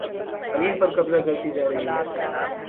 علیم پر قبضہ کرتی جا رہی ہے